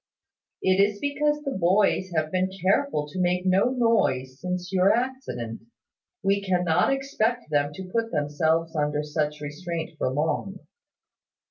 "It is because the boys have been careful to make no noise since your accident. We cannot expect them to put themselves under such restraint for long."